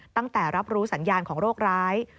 ตั้งแต่รับรู้สัญญาณของโรคร้าย